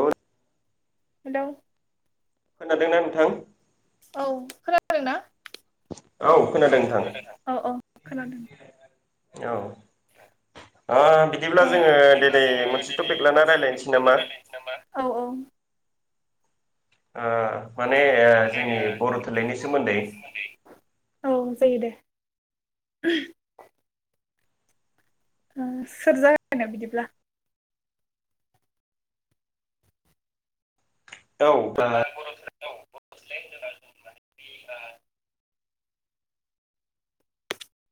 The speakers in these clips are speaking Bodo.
औ। हेल'। खोनादोंना नोंथां? औ खोनादोंना? औ खोनादों नोंथां। औ आ बिदिब्ला जोङो दिनै मोनसे टपिक लाना रायज्लायनोसै नामा? औ औ। माने जोंनि बर' थुनलाइनि सोमोन्दै। औ जायो दे। सोर जागायनो बिदिब्ला? औ बा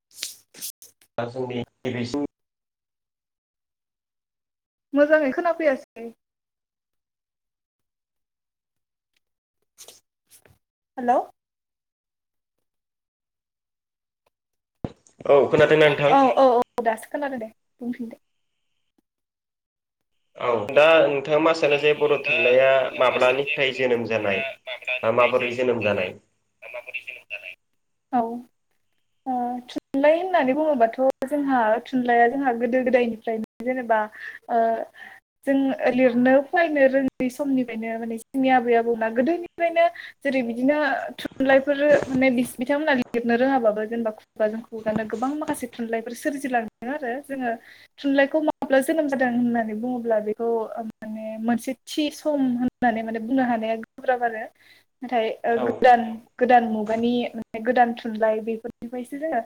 [unintelligible] दा जोंनि नैबेसि मोजाङै खोनाफैयाखै। हेलौ। औ औ औ दासो खोनादों दे बुंफिन दे। औ दा नोंथाङा मा सानो जे बर' थुनलाइया माब्लानिफ्राय जोनोम जानाय? माब्लाानिफ्राय जोनोम जानाय माबोरै जोनोम जानाय औ। [unintelligible] थुनलाइ होननानै बुङोबाथ' जोंहा थुनलाइया जोंहा गोदो गोदायनिफ्रायनो जेनेबा ओ। जों लिरनो फरायनो रोङै समनिफ्रायनो माने जोंनि आबै -आबौना गोदोनिफ्रायनो जेरै बिदिनो थुनलाइफोर माने बिस-बिथांमोना लिरनो रोङाबाबो जेनेबा खुगाजों खुगानो गोबां माखासे थुनलाइफोर सोरजिलांदों आरो जोङो थुनलाइखौ माब्ला जोनोम जादों होननानै बुङोब्ला बेखौ ओ माने मोनसे थि सम होन होननानै माने बुंनो हानाया गोब्राब आरो नाथाय ओ गोदान गोदान मुगानि माने गोदान थुनलाइ बेफोरनिफ्रायसो जोङो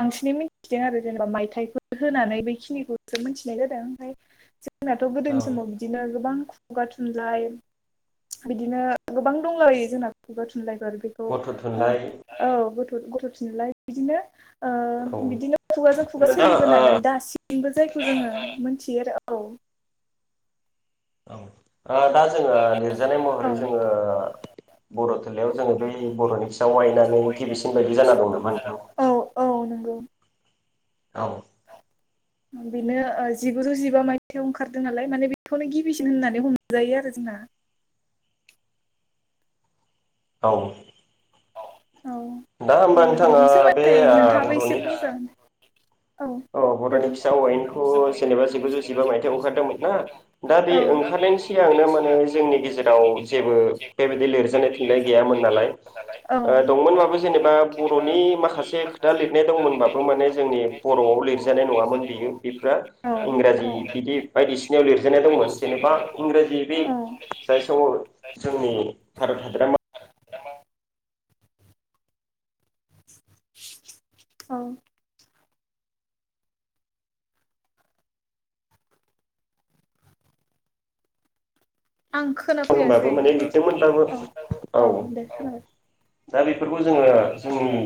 बांसिनै मिथिदों आरो जेनेबा मायथाइफोर होनानै बेखिनिखौसो मिथिनाय जादों ओमफ्राय जोंनाथ' गोदोनि समाव बिदिनो गोबां खुगा थुनलाइ बिदिनो गोबां दंलाबायो जोंना खुगा थुनलाइफोर औ ओ औ गथ' गथ' थुनलाइ बिदिनो ओह बिदिनो खुगाजों खुगा सोलिबोनाय माने दासिम मबो जायखौ जोङो मोनथियो आरो औ ओह दा जोङो लिरजानाय महरै जोङो बर' थुनलायाव जोङो बै बर'नि फिसा अ' आयेनानो गिबिसिन बायदि जाना दं नामा नोंथां? औ औ नंगौ औ [inaudible] बेनो ओ जिगुजौ जिबा मायथाइाव ओंखारदों नालाय माने बेखौनो गिबिसिन होननानै हमजायो आरो जोंना। औ औ बिनि सोमोन्दै नोंथाङाबो एसे मोजां औ ब'रनि फिसा अ' आयेनखौ' जेनेबा जिगुजौ जिबा माइथायाइयाव ओंखारदोंमोन ना दा बे ओंखारनायनि सिगांनो माने जोंनि गेजेराव जेबो बेबायदि लिरजानाय थुनलाइ गैयामोन नालाय औ दंमोनबाबो जेनेबा बर'नि माखासे खोथा लिरनाय दंमोनबाबो माने जोंनि बर'आव लिरजानाय नङामोन बेयो बेफ़ा इंराजि बिदि बायदिसिनायाव लिरजेनानाय दंमोन जेनेबा इंराजि बै जाय समाव जोंनि भारत हादराम औ आं खोनाफैयासै औ औ दे खोनाबाय दा बेफोरखौ जोङो जोंनि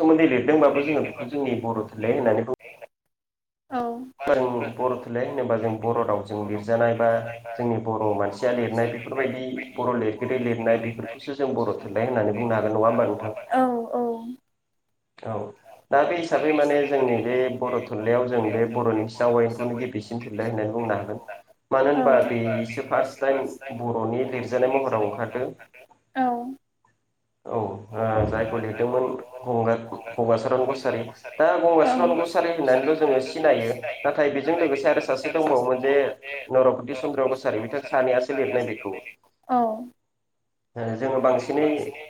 सोमोन्दै लिरदोंबाबो जोङो बेखौ जोंनि बर' थुनलाइ होननानै बुं औ जों बर' थ थुनलाइ होनोबा जों बर' रावजों लिरजानाय बा जोंनि बर' मानसिया लिरनाय बेफोरबायदि बर' लिरगिरि लिरनाय बेफोरखौसो जों बर' लिरनाय होननानै बुं हागोन नङा होमबा नोंथां। औ दा बे हिसाबै माने जोंनि बे बर' थुनलाइयाव जों बे बर'नि [unintelligible] गिबिसिन थुनलाइ होननानै बुंनो हागोन। मानोहोनबा बेसो फार्स्ट टाइम बर'नि लिरजानाय महराव ओंखारदो। औ औ आ जायखौ लिरदोंमोन गंगार गंगाचरण कछिरि दा गंगाचरण घछारि होननानैल' जोङो सिनायो नाथाय बेजों लोगोसे आरो सासे दंबावोमोन जे नरपति चन्द्र कसारि बिथां सानैयासो लिरनाय बेखौ औ ओ जोङो बांसिनै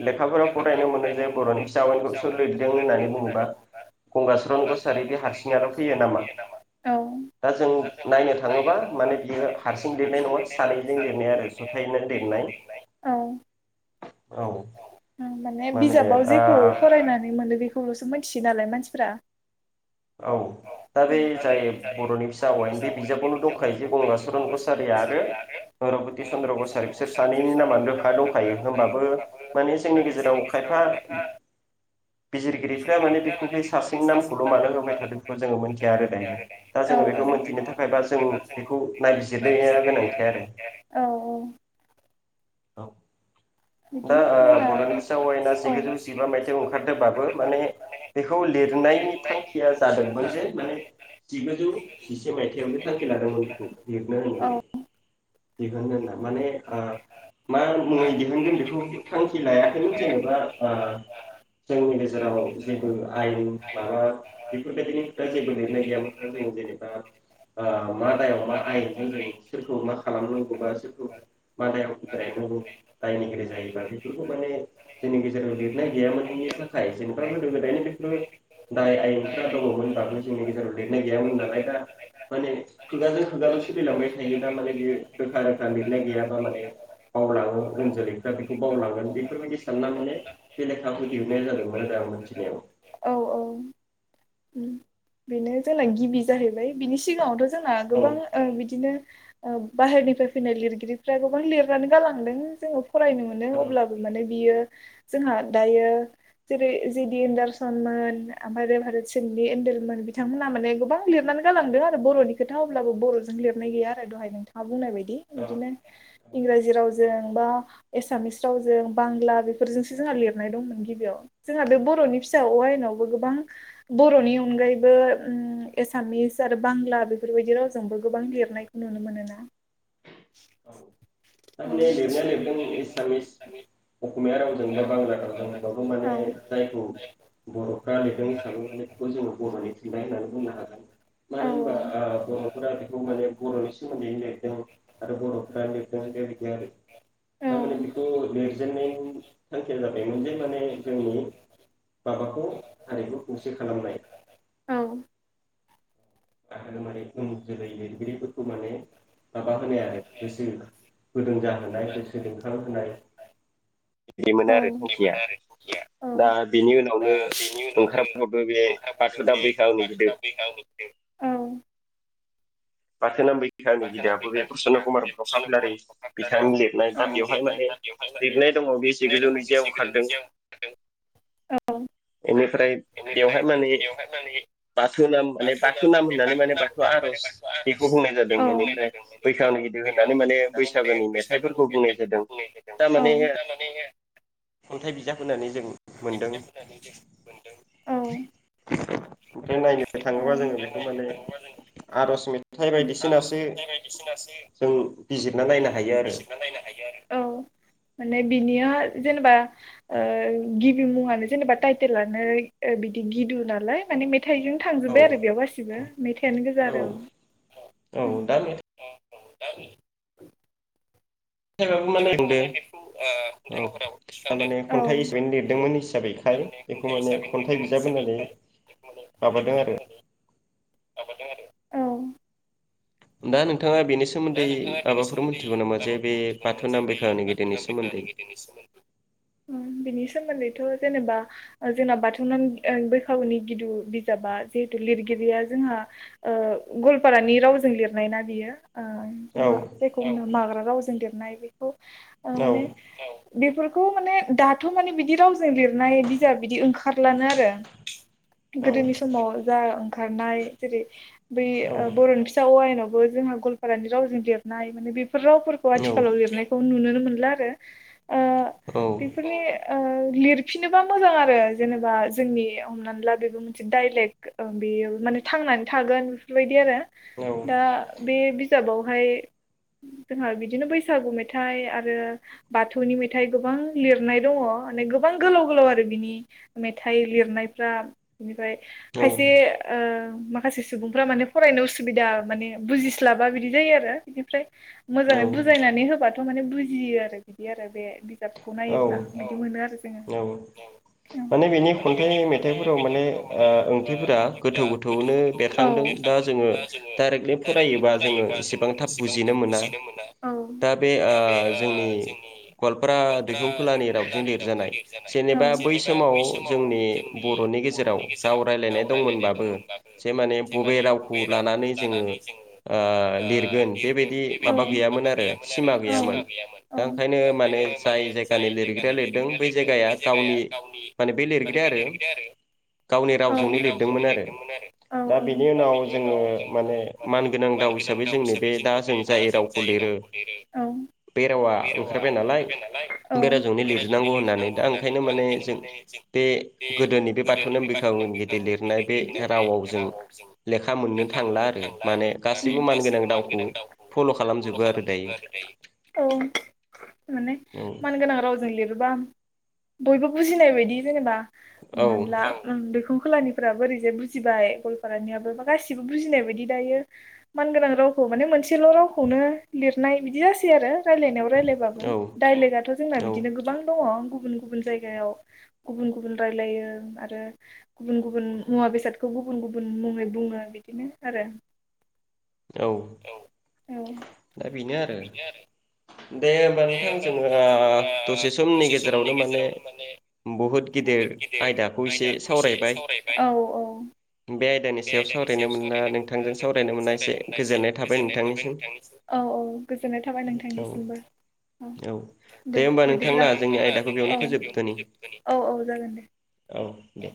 लेखाफोरा फरायनो मोनो जे बर'नि फिसा अ' आयेनखौ लिरदों होननानै बुङोबा गंगाछरण कसारि बे हारसिङाल' फैयो नामा दा जों नायनो थाङोबा माने बियो हारसिं लिरनाय नङा सानैजों लिरनाय आरो जथायना लिरनाय औ औ माने बिजाबाव जेखौ फरायनानै मोनो बेखौल'सो मिथियो नालाय मानसिफ्रा औ दा बे जाय बर'नि फिसा अ' आयेनु बे बिजाबावनो दंखायो जे गंगचरन कसारिया आरो आई गरवति चन्द्र बसाहारि बिसोर सानैनि नामानो रोखा दंखायो होनबाबो माने जोंनि गेजेराव खायफा बिजिरगिरिफ्रा माने बेखौ बे सारसेनि नामखौल' मानो होबाय थादों बेखौ जोङो मिथिया आरो दायो। दा जोङो बेखौ मोनथिनो थाखायबा जों बेखौ नायबिजिरनाया गोनांथि आरो। औ औ। औ। दा ओ बर'नि फिसा अ आयेना जिगुजौ जिबा मायथाइयाव ओंखारदोंबाबो माने। बेखौ लिरनायनि थांखिया जादोंमोन जे माने। जिगुजौ जिसे मायथाइयावनो थांखि लादोंमोन बिखौ लिरनो होननानै। दिहुन्नो होना माने ओ। मा मुङै दिहुनगोन बेखौ थांखि लायाखैनो जेनेबा ओ। जोंनि गेजेराव जेबो आयेन माबा। बेफोरबायदिनि खोथा जेबो लिरनाय गैयामोन जों जेनेबा। ओ मा दायाव मा आयेनजों जों सोरखौ मा खालामनांगौबा सोरखौ। मा दायाव माने दायनिगिरि जायोबा बेफोरखौ माने जोंनि गेजेराव। नाय गैयामोननि थाखाय जेनबा गोदो गोदायनि बेखो। दाय आयेनफ्रा दङमोन दाबो जोंनि गेजेराव लिरनाय गैयामोन नालाय दा। माने खुगाजों खुगाल' सोलिलांबाय थायो दा माने बि रोखा रोखा लिरनाय गैयाबा माने। बावलाङो उन जोलैफ्रा बेखौ बावलांगोन बेफोरबायदि सानना माने। बे लेखाखौ दिहुननाय जादोंमोन आरो आं मोनथिनायाव। औ औ। बेनो जोंना गिबि जाहैबाय बिनि सिगाङावथ' जोंना गोबां ओ बिदिनो। ओ बाहेरनिफ्राय फैनाय लिरगिरिफ्रा गोबां लिरनानै गालांदों जोङो फरायनो मोनदों अब्ला। माने बियो। जोंहा दायो जेरै जे डि एन्डारसनमोन ओमफ्राय रेफारेद सिदनिएन्देल। मोन बिथांमोनहा माने गोबां लिरनानै गालांदों आरो बर'नि खोथा अब्लाबो बर'जों लिरनाय गैया आरो दहाय नों थांङा बुंनाय बायदि बिदिनो इंराजि रावजों बा। एसामिस रावजों बांला बेफोरजोंसो जोंहा लिरनाय दंमोन गिबियाव। जोंहा बे बर'नि फिसा अ आयेनावबो गोबां बर'नि अनगायै। बो ओम एसामिस आरो बांला बेफोरबायदि रावजोंबो गोबां लिरनायखौ नुनो मोनोना। [inaudible] थारमाने लिरनाया लिरदों एसामिस। अखमिया रावजों बा बांला रावजोंबाबो माने जायखौ। बर'फ्रा लिरदों हिसाबै माने बेखौ जोङो बर'नि फिनबाय होननानै बुंनो हागोन। मानो होनबा ओ बर'फोरा बेखौ माने बर'नि सोमोन्दै लिरदों। आरो बर'फ्रा लिरदों जे बिदि आरो थारमाने बिखौ लिरजेननायनि थांखिया जाबायमोन जे माने जोंनि। माबाखौ हारिखौ खौसे खालामनाय। औ। थारमाने उन जोलै लिरगिरिफोरखौ माने माबा होनाय आरो गोसो। गुदुं जाहोनाय गोसो ओंखारहोनाय बिदिमोनो आरो थांखिया। दा बिनि उनावनो ओंखारफाबाय बे बास' दाब बैखा आंनि गोदो। बिखा [unintelligible] बाथोनामबैखा गिदाआबो बे प्रसन्न कुमार बर' काफलारि बिथांनि लिरनाय दा बेवहाय माने। लिरनाय दङ बे जिगुजौ नैजियाव ओंखारदों। औ। एनिफ्राय। बेवहाय माने बाथु नाम माने बाथु नाम होननानै माने बाथौ आर'ज। बेखौ बुंनाय जादों बेनिफ्राय बैखानिगिदु होननानै माने बैसागोनि मेथाइफोरखौ बुंनाय जादों। थारमाने खन्थाइ बिजाब होनानै जों मोनदों। औ। ओमफ्राय नायनो थाङोबा जोङो बेखौ माने। आरज मेथाइ बायदिसिनासो जों बिजिरना नायनो हायो आरो औ माने बिनिया जेनेबा गिबि मुङानो जेनेबा टेलानो बिदि गिदु नालाय माने मेथाइजों थांजोबबाय आरो बेयाव गासिबो मेथायानो गोजा आरो औ औ औ माने बेखौ खन्थाइ महराव थिखांदो औ औ थारमाने खन्थाइ हिसाबैनो लिरदोंमोन हिसाबैहाय माने खन्थाइ बिजाब होननानै माबादों आरो औ दा नोंथाङा बेनि सो सोमोन्दै माबाफोर मिथिगौ नामा जे बे बाथौ नाम बेेखानि गेदेरनि सोमोन्दै बिनि सोमोन्दैथ' जेनेबा जोंना बाथौ नाम बैसागुनि गिदु बिजाबा जिहेतु लिरगिरिया जोंहा ओ गवालपारानि रावजों लिरनाय ना बियो ओ जोंहा जायखौ माग्रा रावजों लिरनाय बेखौ माने बेफोरखौ माने दाथ' माने बिदि रावजों लिरनाय बिजाब बिदि ओंखारलानो आरो गोदोनि समाव जा ओंखारनाय जेरै बै बर'नि फि फिसा अ आयेनावबो जोंहा गवालपारानि रावजों लिरनाय माने बेफोर रावफोरखौ आथिखालाव लिरनाय खौ नुनो मोनला आरो ओ औ बेफोरनि ओ लिरफिनोबा मोजां आरो जेनेबा जोंनि हमनानै ला बेबो थिक डाइलेक्ट ओं बेयो माने थांनानै थागोन बेफोरबायदि आरो दा बे बिजाबावहाय जोंहा बिदिनो बैसागु मेथाइ आरो बाथौनि मेथाइ गोबां लिरनाय दङ माने गोबां गोलाव गोलाव आरो बिनि। मेथाइ लिरनायफ्रा बेनिफ्राय खायसे ओं माखासे सुबुंफ्रा माने फरायनो उसुबिदा माने बुजिस्लाब ब्ला बिदि जायो। आरो ओमफ्राय मोजाङै बुजायनानै होबा थ' माने बुजियो आरो बिदि आरो बे बिजाबखौ नायोब्ला औ बिदि मोनो आरो जोङो औ। माने बिनि खन्थाइ मेथाइफोराव माने आ ओंथिफोरा गोथौ गोथौआवनो बेरखांदों दा जोङो डायरेक्टलि फरायोबा जोङो एसेबां थाब बुजिनो मोना ओ दा बे जोंनि गवालपारा दैखुनखुलानि रावजों लिरजानाय जेनेबा बै समाव जों जोंनि बर'नि गेजेराव राव रायज्लायनाय दंमोनबाबो जे माने बबे रावखौ लानानै जों ओ लिरगोन बेबायदि माबा गैयामोन आरो सिमा गैयामोन दा ओंखायनो माने जाय जायगानि लिरग्राया लिरदों बे जायगाया गावनि माने बे लिरगिरिआ आरो गावनि रावजोंनो लिरदोंमोन आरो दा बेनि उनाव जोङो माने मानगोनां राव हिसाबै जोंनो बे दा जों जाय रावखौ लिरो बे रावा ओंखारबाय नालाय औ बे रावजोनो लिरहोनांगौ होननानै दा ओंखायनो माने जों बे गोदोनि बे बाथौनो बे लिरनाय बे रावाव जों लेखा मोननो थांला आरो माने माने गासैबो मानगोनां रावउखौ फल' खालामजोबो आरो दायो। औ माने मानगोनां रावजों लिरबा बयबो बुजिनाय बायदि जेनेबा हमनानै ला उम बेखौ खोलानिफ्राबो ओरैजाय बुजिबाय गवालपारानियाबो बा गासिबो बुजिनाय बायदि दायो। मानगोनां रावखौ माने मोनसेल' रावखौनो लिरनाय बिदि जासै आरो। रायलायनायाव रायलायबाबो डाइलेक्टआथ' जोंना बिदिनो गोबां दङ गुबुन गुबुन जायगायाव। गुबुन गुबुन रायलायो आरो गुबुन गुबुन मुवा बेसादखौ गुबुन गुबुन मुङै बुङो बिदिनो आरो। औ औ औ दा बिनो आरो। दे होमबा नोंथां जोंङो दसे समनि गेजेरावनो माने बुहुद गिदिर आयदाखौ एसे सावरायबाय। बे आयदानि सायाव सावरायनो मोना नोंथांजों सावरायनो मोना एसे गोजोननाय थाबाय नोंथांनिसिम। औ औ गोजोननाय थाबाय नोंथांनिसिमबो। औ दे होमबा नोंथां ना जोंनि आयदाखौ बेयावनो फोजोबदोनि। औ दे।